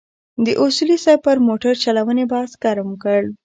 د اصولي صیب پر موټرچلونې بحث ګرم کړ.